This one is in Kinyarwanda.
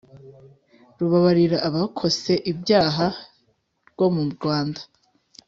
rubabarira abakose ibyaha rwo murwanda